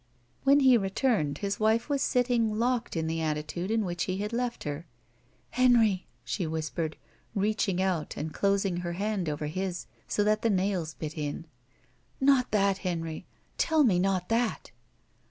When he returned his wife was sitting locked in the attitude in which he had left her. "Henry!" she whispered, reaching out and closing her hand over his so that the nails bit in. "Not that, Henry ! Tell me not that